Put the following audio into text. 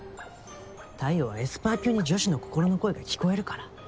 太陽はエスパー級に女子の心の声が聞こえるから。